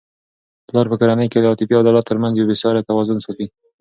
پلار په کورنی کي د عاطفې او عدالت ترمنځ یو بې سارې توازن ساتي.